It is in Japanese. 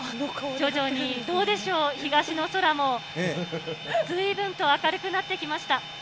徐々に、どうでしょう、東の空も、ずいぶんと明るくなってまいりました。